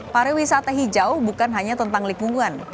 pariwisata hijau bukan hanya tentang lingkungan